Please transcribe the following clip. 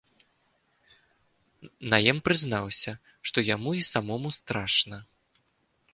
Наем прызнаўся, што яму і самому страшна.